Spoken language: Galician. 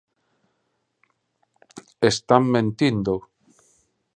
Están mentindo!